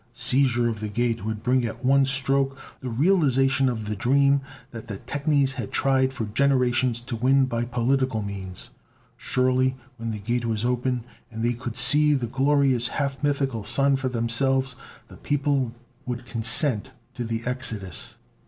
Seizure of the Gate would bring at one stroke the realization of the dream that the technies had tried for generations to win by political means. Surely, when the Gate was open, and they could see the glorious, half mythical Sun for themselves, the people would consent to the Exodus!